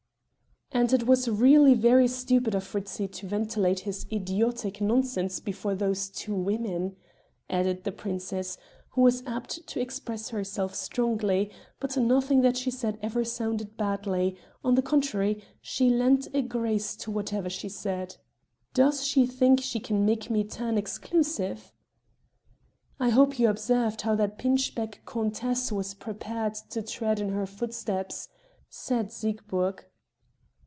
"And it was really very stupid of Fritzi to ventilate this idiotic nonsense before those two women," added the princess, who was apt to express herself strongly; but nothing that she said ever sounded badly, on the contrary, she lent a grace to whatever she said. "Does she think she can make me turn exclusive!" "I hope you observed how that pinchbeck countess was prepared to tread in her footsteps," said Seigburg.